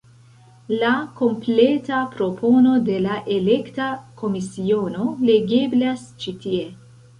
La kompleta propono de la elekta komisiono legeblas ĉi tie.